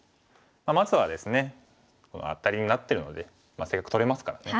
まずはですねアタリになってるのでせっかく取れますからね。